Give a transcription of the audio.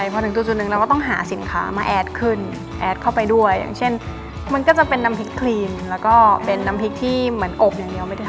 พอถึงจุดหนึ่งเราก็ต้องหาสินค้ามาแอดขึ้นแอดเข้าไปด้วยอย่างเช่นมันก็จะเป็นน้ำพริกครีมแล้วก็เป็นน้ำพริกที่เหมือนอบอย่างเดียวไม่ได้